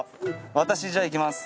私じゃあ行きます。